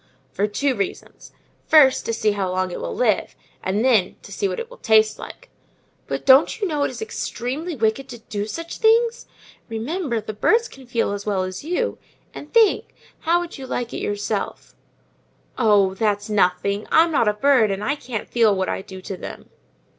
"For two reasons: first, to see how long it will live—and then, to see what it will taste like." "But don't you know it is extremely wicked to do such things? Remember, the birds can feel as well as you; and think, how would you like it yourself?" "Oh, that's nothing! I'm not a bird, and I can't feel what I do to them."